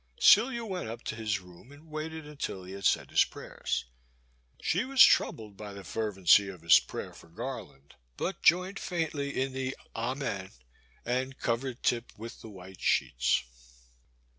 Celia went up to his room and waited until he had said his prayers. She was troubled by the fervency of his prayer for 252 The Boy's Sister. Garland, but joined faintly in the Amen, and covered Tip with the white sheets.